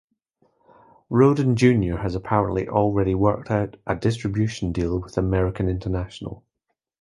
Rhoden Junior had apparently already worked out a distribution deal with American-International.